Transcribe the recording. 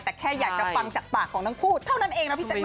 แต่แค่อยากจะฟังจากปากของทั้งคู่เท่านั้นเองนะพี่แจ๊คนะ